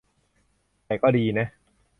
แต่ก็ดีนะ